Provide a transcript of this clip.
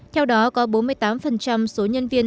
theo đó có bốn mươi tám số nhân viên